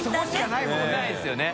ないですよね。